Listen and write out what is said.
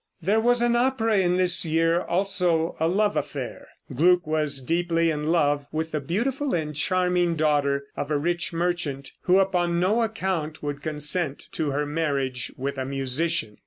There was an opera in this year; also a love affair. Gluck was deeply in love with the beautiful and charming daughter of a rich merchant, who upon no account would consent to her marriage with a musician.